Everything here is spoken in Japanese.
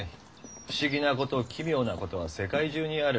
不思議なこと奇妙なことは世界中にある。